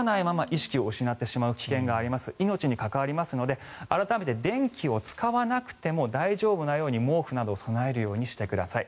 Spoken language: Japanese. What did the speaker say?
命の危険があるので改めて電気を使わなくても大丈夫なように毛布など備えるようにしてください。